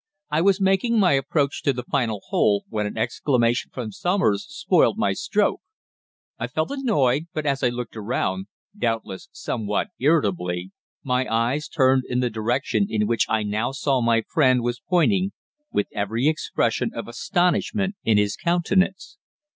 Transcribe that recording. I was making my approach to the final hole when an exclamation from Somers spoilt my stroke. I felt annoyed, but as I looked around doubtless somewhat irritably my eyes turned in the direction in which I now saw my friend was pointing with every expression of astonishment in his countenance.